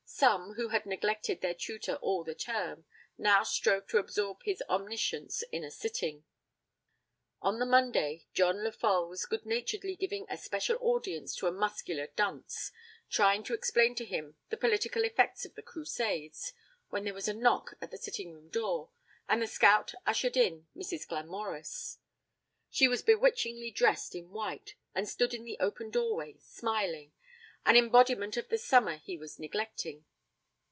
Some, who had neglected their tutor all the term, now strove to absorb his omniscience in a sitting. On the Monday, John Lefolle was good naturedly giving a special audience to a muscular dunce, trying to explain to him the political effects of the Crusades, when there was a knock at the sitting room door, and the scout ushered in Mrs. Glamorys. She was bewitchingly dressed in white, and stood in the open doorway, smiling an embodiment of the summer he was neglecting.